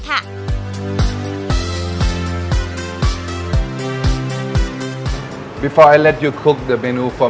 แบบนี้มันก็ได้กินแบบรอด